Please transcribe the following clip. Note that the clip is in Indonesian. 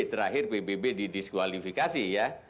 terakhir pbb didiskualifikasi ya